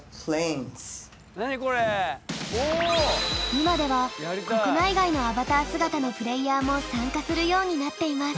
今では国内外のアバター姿のプレーヤーも参加するようになっています。